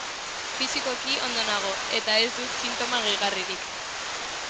Fisikoki ondo nago, eta ez dut sintoma gehigarririk.